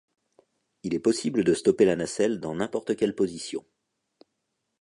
Il est possible de stopper la nacelle dans n'importe quelle position.